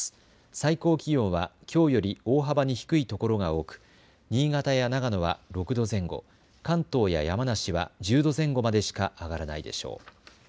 最高気温はきょうより大幅に低いところが多く新潟や長野は６度前後、関東や山梨は１０度前後までしか上がらないでしょう。